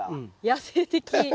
野性的。